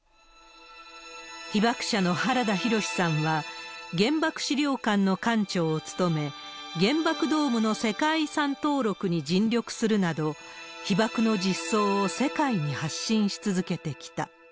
被爆者の原田浩さんは、原爆資料館の館長を務め、原爆ドームの世界遺産登録に尽力するなど、被爆の実相を世界に発信し続けてきた。